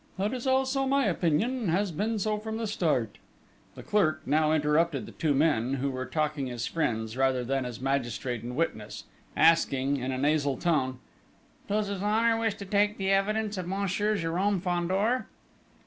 "That is also my opinion has been so from the start." The clerk now interrupted the two men, who were talking as friends rather than as magistrate and witness, asking, in nasal tone: "Does His Honour wish to take the evidence of Monsieur Jérôme Fandor?"